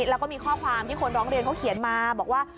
แล้วก็มีข้อความที่คนร้องเรียนเขาเขียนมาบอกว่า